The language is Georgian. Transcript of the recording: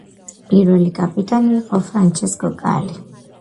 პირველი კაპიტანი იყო ფრანჩესკო კალი.